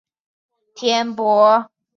当地华人居民将坦帕译作天柏。